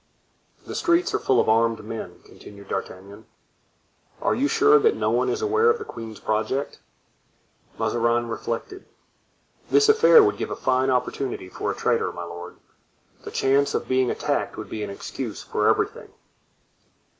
"The streets are full of armed men," continued D'Artagnan. "Are you sure that no one is aware of the queen's project?" Mazarin reflected. "This affair would give a fine opportunity for a traitor, my lord; the chance of being attacked would be an excuse for everything."